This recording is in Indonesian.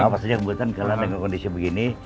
nafas saja rebutan karena kondisi begini